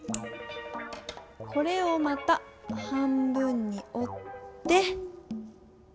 これをまた半分におって。